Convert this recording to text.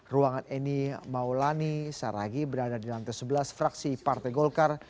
ruangan eni maulani saragi berada di lantai sebelas fraksi partai golkar